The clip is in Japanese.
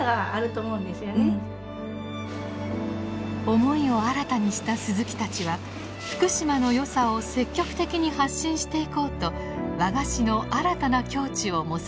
思いを新たにした鈴木たちは福島のよさを積極的に発信していこうと和菓子の新たな境地を模索。